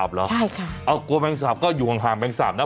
กลัวแมงสาปก็อยู่ห่างแมงสาปนะ